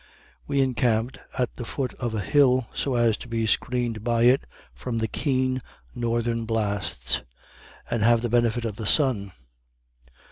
We encamped at the foot of a hill, so as to be screened by it from the keen northern blasts, and have the benefit of the sun.